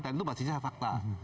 dan itu basisnya fakta